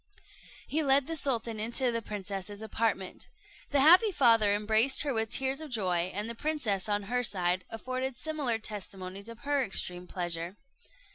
He led the sultan into the princess's apartment. The happy father embraced her with tears of joy; and the princess, on her side, afforded similar testimonies of her extreme pleasure.